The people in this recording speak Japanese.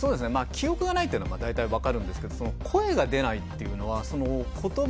記憶がないっていうのは大体わかるんですけど声が出ないっていうのはその言葉。